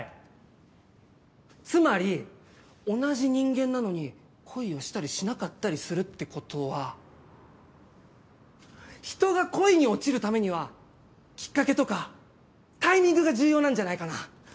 つまり同じ人間なのに恋をしたりしなかったりするってことは人が恋に落ちるためにはきっかけとかタイミングが重要なんじゃないかな？